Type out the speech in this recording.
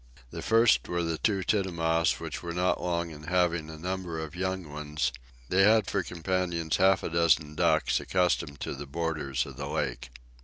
The first were the two tinamous, which were not long in having a number of young ones; they had for companions half a dozen ducks, accustomed to the borders of the lake.